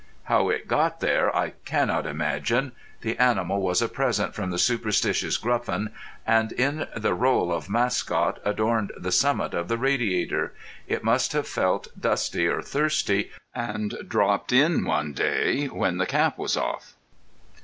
(How it got there I cannot imagine. The animal was a present from the superstitious Gruffin, and in the rôle of Mascot adorned the summit of the radiator. It must have felt dusty or thirsty, and dropped in one day when the cap was off.)